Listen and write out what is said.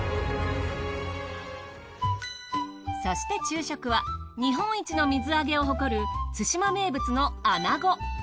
そして昼食は日本一の水揚げを誇る対馬名物の穴子。